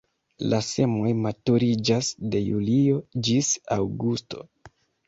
La semoj maturiĝas de julio ĝis aŭgusto.